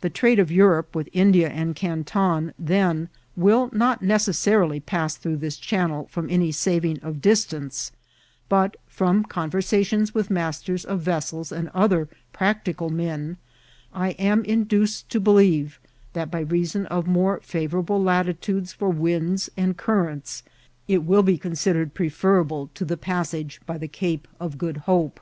The trade of Europe with India and Canton, then, will not necessarily pass through this channel from any saving of distance ; but, from con ADYANTAOBS OP THB CANAL. 419 Tersatioiis with masters of vessels and other practical men, I am induced to believe that, by reason of more favourable latitudes (at winds and currents, it will be considered preferable to the passage by the Cape of Good Hope.